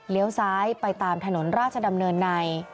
ซ้ายไปตามถนนราชดำเนินใน